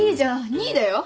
２位だよ？